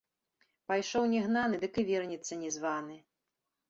Пайшоў не гнаны, дык і вернецца не званы.